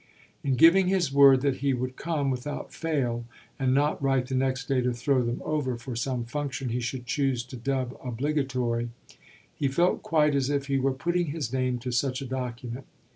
In giving his word that he would come without fail, and not write the next day to throw them over for some function he should choose to dub obligatory, he felt quite as if he were putting his name to such a document.